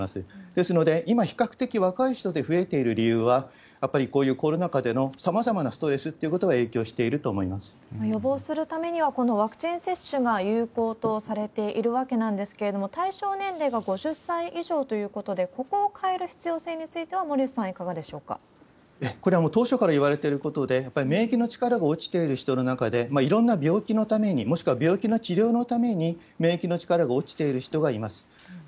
ですので、今、比較的若い人で増えてる理由は、やっぱりこういうコロナ禍でのさまざまなストレスっていうことが予防するためには、ワクチン接種が有効とされているわけですけれども、対象年齢が５０歳以上ということで、ここを変える必要性については、森内さん、これはもう、当初から言われてることで、やっぱり免疫の力が落ちている人の中で、いろんな病気のために、もしくは病気の治療のために、免疫の力が落ちている人がいます。